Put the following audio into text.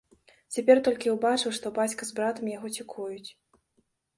Цяпер толькі ўбачыў, што бацька з братам яго цікуюць.